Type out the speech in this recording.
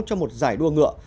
cho một giải đua ngựa